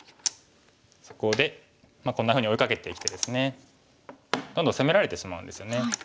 そこでこんなふうに追いかけてきてですねどんどん攻められてしまうんですよね。